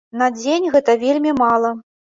На дзень гэта вельмі мала.